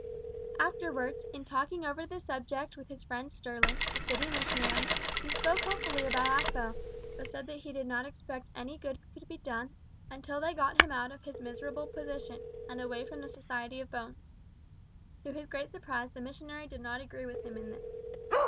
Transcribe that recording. Afterwards, in talking over the subject with his friend Sterling, the city missionary, he spoke hopefully about Aspel, but said that he did not expect any good could be done until they got him out of his miserable position, and away from the society of Bones. To his great surprise the missionary did not agree with him in this.